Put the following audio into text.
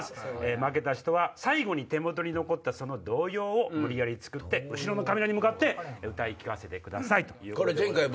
負けた人は手元に残ったその童謡を無理やり作って後ろのカメラに向かって歌い聞かせてください。